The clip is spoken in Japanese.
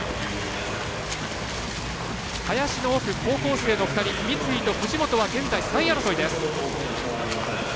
林の奥、高校生の２人三井と藤本は現在３位争いです。